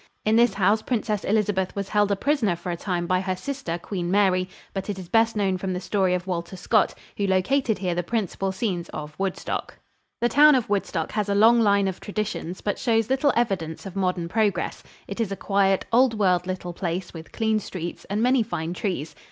In this house Princess Elizabeth was held a prisoner for a time by her sister, Queen Mary, but it is best known from the story of Walter Scott, who located here the principal scenes of "Woodstock." The town of Woodstock has a long line of traditions, but shows little evidence of modern progress. It is a quiet, old world little place with clean streets and many fine trees.